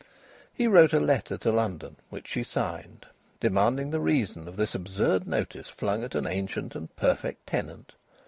He wrote a letter to London, which she signed, demanding the reason of this absurd notice flung at an ancient and perfect tenant.